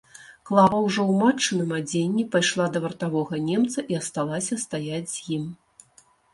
Клава, ужо ў матчыным адзенні, пайшла да вартавога немца і асталася стаяць з ім.